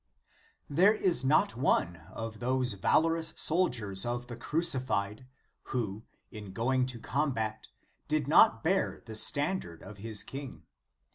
There is not one of those valorous soldiers of the Crucified, who, in going to combat, did* not bear the standard of his King.